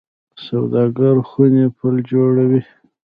سوداګرۍ خونې پل جوړوي